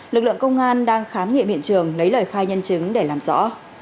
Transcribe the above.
lực lượng công an đang khám nghiệm hiện trường lấy lời khai nhân chứng để làm rõ